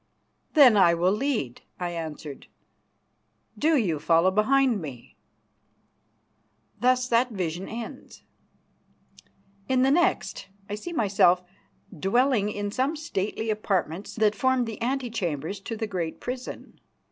"Then I will lead," I answered, "do you follow behind me." Thus that vision ends. In the next I see myself dwelling in some stately apartments that formed the antechambers to the great prison.